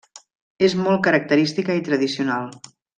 És molt característica i tradicional.